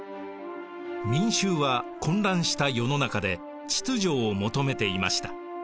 民衆は混乱した世の中で秩序を求めていました。